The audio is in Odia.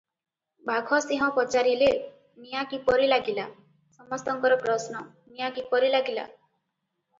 ବାଘସିଂହ ପଚାରିଲେ, "ନିଆଁ କିପରି ଲାଗିଲା?" ସମସ୍ତଙ୍କର ପ୍ରଶ୍ନ - ନିଆଁ କିପରି ଲାଗିଲା?